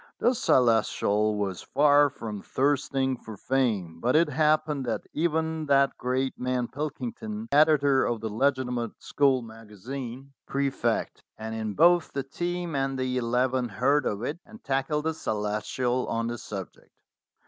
The Celestial was far from thirst ing for fame, but it happened that even that great man Pilkington, editor of the legitimate school maga THE CELESTIAL'S EDITORSHIP 233 zine, prefect, and in both the team and the eleven, heard of it, and tackled the Celestial on the subject.